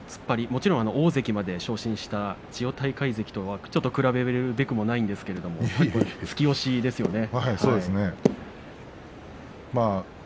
もちろん大関まで昇進した千代大海関とは比べるべくもないんですが突き押しですよね。